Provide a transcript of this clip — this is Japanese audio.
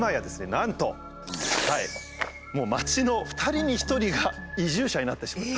なんともう町の２人に１人が移住者になってしまった。